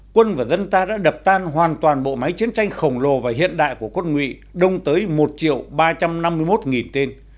quân và dân ta đã đập tan hoàn toàn bộ máy chiến tranh khổng lồ và hiện đại của quân nguyện đông tới một ba trăm năm mươi một tên